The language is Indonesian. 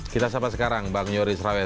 kita sampai sekarang bang yoris rawes